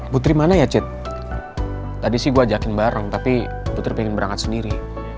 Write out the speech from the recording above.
putri mana ya cit tadi sih gue ajakin bareng tapi putri ingin berangkat sendiri